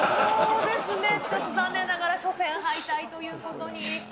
そうですね、ちょっと残念ながら、初戦敗退ということに。